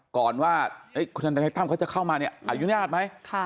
ก่อนว่าคุณทนายตั้มเขาจะเข้ามาเนี่ยอนุญาตไหม